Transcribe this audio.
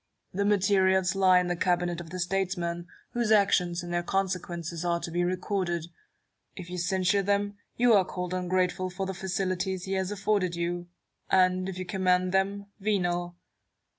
The materials lie in the cabinet of the statesman, whose actions and their consequences are to be recorded. If you censure them, you are called ungrateful for the facilities he has aflforded you ; and, if you commend them, venal.